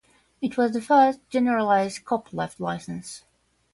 It was the first "generalized copyleft" license.